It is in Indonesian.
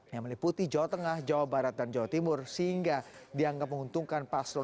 yang meliputi jawa tengah jawa barat dan jawa timur sehingga dianggap menguntungkan paslon